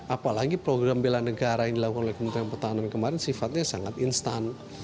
apalagi program bela negara yang dilakukan oleh kementerian pertahanan kemarin sifatnya sangat instan